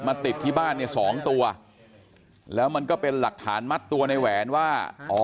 ติดที่บ้านเนี่ยสองตัวแล้วมันก็เป็นหลักฐานมัดตัวในแหวนว่าอ๋อ